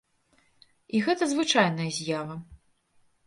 І гэта звычайная з'ява.